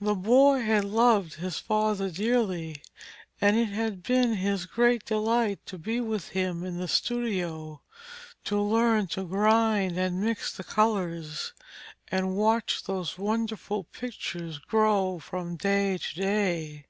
The boy had loved his father dearly, and it had been his great delight to be with him in the studio, to learn to grind and mix the colours and watch those wonderful pictures grow from day to day.